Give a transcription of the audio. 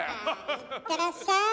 行ってらっしゃい。